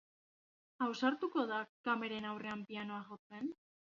Ausartuko da kameren aurrean pianoa jotzen?